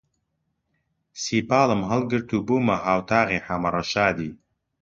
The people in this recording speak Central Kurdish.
سیپاڵم هەڵگرت و بوومە هاووەتاغی حەمە ڕەشادی